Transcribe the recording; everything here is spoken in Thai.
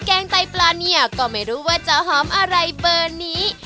แกงไตปลาเนี่ยก็ไม่รู้ว่าจะหอมอะไรเบอร์นี้